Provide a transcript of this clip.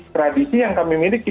tradisi yang kami miliki